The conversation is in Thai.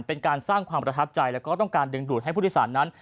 เป็นการสร้างความประทับใจแล้วก็ต้องการดึงดูดให้ผู้โดยสารนั้น